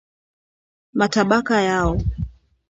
matabaka yao